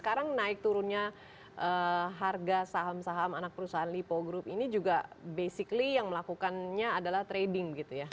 sekarang naik turunnya harga saham saham anak perusahaan lipo group ini juga basically yang melakukannya adalah trading gitu ya